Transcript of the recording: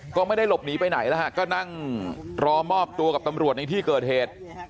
ก็ไม่ได้หลบหนีไปไหนแล้วฮะก็นั่งรอมอบตัวกับตำรวจในที่เกิดเหตุ